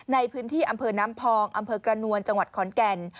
ในพื้นที่อำเภอน้ำพองอำเภอกระนวลจังหวัดขอนแก่น